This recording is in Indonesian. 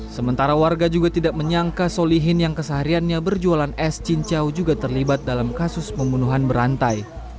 sementara warga juga tidak menyangka solihin yang kesehariannya berjualan es cincau juga terlibat dalam kasus pembunuhan berantai